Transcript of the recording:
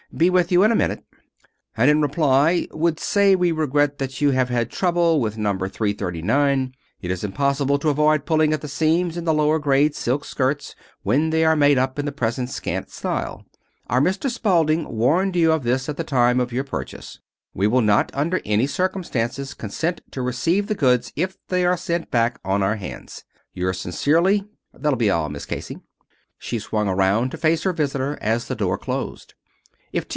"Be with you in a minute.... and in reply would say we regret that you have had trouble with No. 339. It is impossible to avoid pulling at the seams in the lower grade silk skirts when they are made up in the present scant style. Our Mr. Spalding warned you of this at the time of your purchase. We will not under any circumstances consent to receive the goods if they are sent back on our hands. Yours sincerely. That'll be all, Miss Casey." She swung around to face her visitor as the door closed. If T.